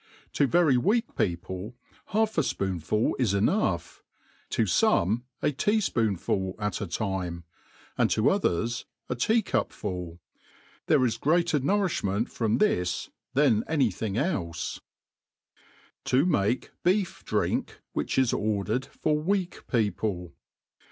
To very weuk people, half a fpooBful is enough; to fome a tea* fpoonful at a time $ and to others . a tea cup full. There is greater nourifhment fcom this than any thing eUe» « To muke Btif'Drink^ which is ordertd fir weak People.